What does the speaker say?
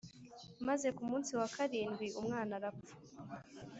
Maze ku munsi wa karindwi umwana arapfa.